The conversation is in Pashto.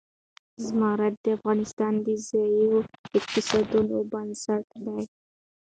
زمرد د افغانستان د ځایي اقتصادونو بنسټ دی.